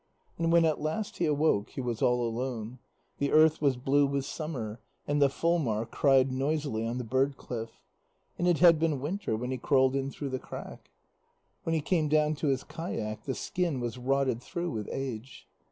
And when at last he awoke, he was all alone. The earth was blue with summer, and the fulmar cried noisily on the bird cliff. And it had been winter when he crawled in through the crack. When he came down to his kayak, the skin was rotted through with age.